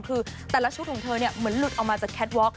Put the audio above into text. คือแต่ละชุดของเธอเนี่ยเหมือนหลุดออกมาจากแคทวอล